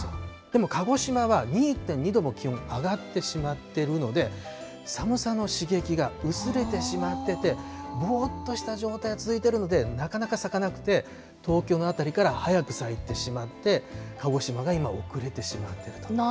でも鹿児島は２．２度も気温上がってしまってるので、寒さの刺激が薄れてしまっていて、ぼーっとした状態が続いているので、なかなか咲かなくて、東京の辺りから早く咲いてしまって、鹿児島が遅れてしまっていると。